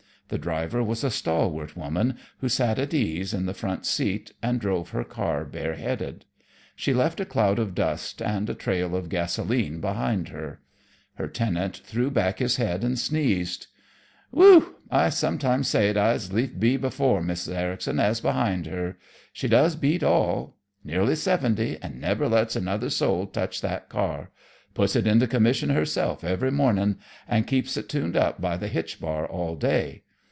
The driver was a stalwart woman who sat at ease in the front seat and drove her car bareheaded. She left a cloud of dust and a trail of gasoline behind her. Her tenant threw back his head and sneezed. "Whew! I sometimes say I'd as lief be before Mrs. Ericson as behind her. She does beat all! Nearly seventy, and never lets another soul touch that car. Puts it into commission herself every morning, and keeps it tuned up by the hitch bar all day.